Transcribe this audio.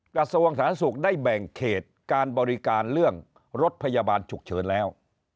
กระทรวงสาธารณสุขได้แบ่งเขตการบริการเรื่องรถพยาบาลฉุกเฉินแล้ว